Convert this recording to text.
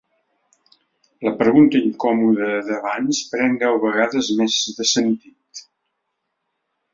La pregunta incòmoda d'abans pren deu vegades més de sentit.